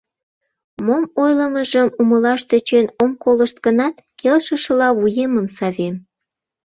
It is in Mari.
Мом ойлымыжым умылаш тӧчен ом колышт гынат, келшышыла вуемым савем.